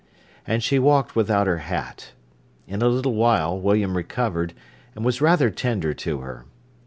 And she walked without her hat. In a little while William recovered, and was rather tender to her.